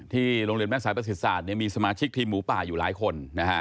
โรงเรียนแม่สายประสิทธิศาสตร์มีสมาชิกทีมหมูป่าอยู่หลายคน